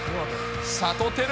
さとてる。